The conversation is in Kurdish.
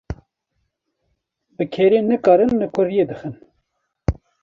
Bi kerê nikarin li kuriyê dixin